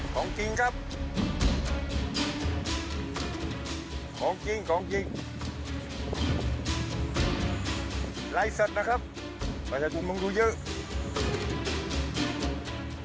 ของจริงครับของจริงของจริงไลฟ์สดนะครับประชาชนลองดูเยอะ